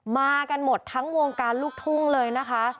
มากันหมดทั้งวงการลูกทุ่งเลยนะคะ